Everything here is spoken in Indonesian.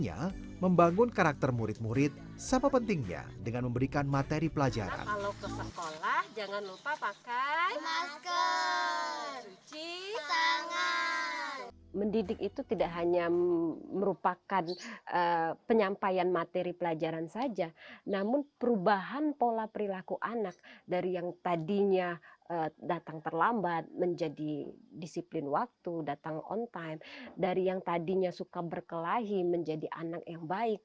ibu tri sangat membantu merubah suasana sekolah menjadi lebih baik